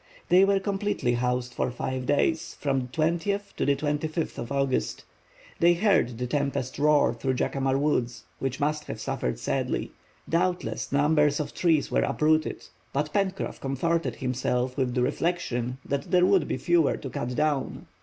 They were completely housed for five days, from the 20th to the 25th of August. They heard the tempest roar though Jacamar Woods, which must have suffered sadly. Doubtless numbers of trees were uprooted, but Pencroff comforted himself with the reflection that there would be fewer to cut down.